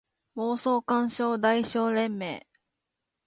妄想感傷代償連盟